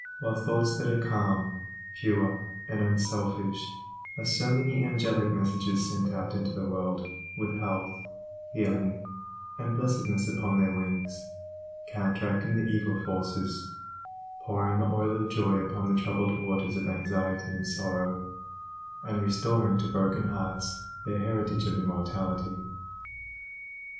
While thoughts that are calm, pure, and unselfish are so many angelic messengers sent out into the world with health, healing, and blessedness upon their wings, counteracting the evil forces; pouring the oil of joy upon the troubled waters of anxiety and sorrow, and restoring to broken hearts their heritage of immortality.